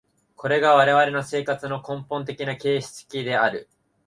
これが我々の生活の根本的な形式である。